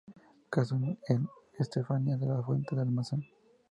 Casó con Estefanía de la Fuente y Almazán.